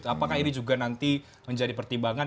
apakah ini juga nanti menjadi pertimbangan